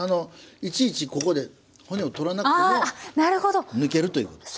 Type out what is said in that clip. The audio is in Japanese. いちいちここで骨を取らなくても抜けるということです。